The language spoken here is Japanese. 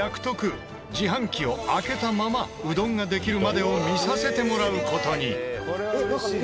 自販機を開けたままうどんができるまでを見させてもらう事に。